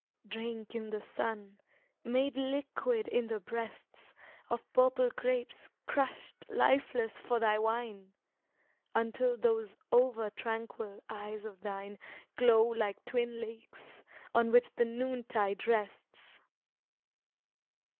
Drink in the sun, made liquid in the breasts Of purple grapes crushed lifeless for thy wine, Until those over tranquil eyes of thine Glow like twin lakes, on which the noontide rests.